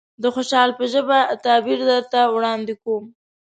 د خوشحال په ژبه تعبير درته وړاندې کوم.